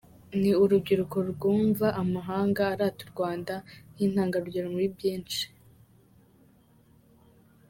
Ni urubyiruko rwumva amahanga arata u Rwanda nk’intangarugero muri byinshi.